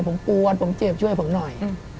ผมกลัวผมเจ็บช่วยผมหน่อย